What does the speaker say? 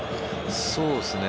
そうですね。